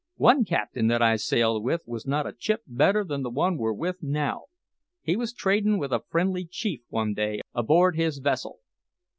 One captain that I sailed with was not a chip better than the one we're with now. He was trading with a friendly chief one day aboard his vessel.